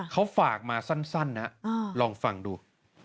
เขาฝากมาสั้นนะลองฟังดู